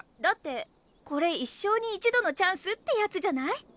だってこれ一生に一度のチャンスってやつじゃない？